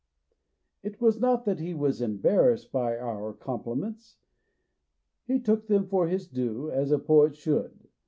It was not that he was embarrassed by our compliments ; he took them for his due, as a poet should.